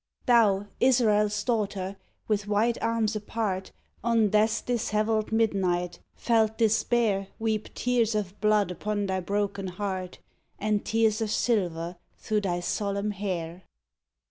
Thou, Israel's daughter, with white arms apart On Death's dishevelled midnight, felt despair Weep tears of blood upon thy broken heart And tears of silver through thy solemn hair.